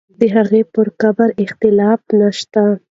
د هغې پر قبر اختلاف نه شته.